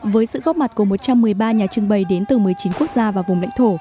với sự góp mặt của một trăm một mươi ba nhà trưng bày đến từ một mươi chín quốc gia và vùng lãnh thổ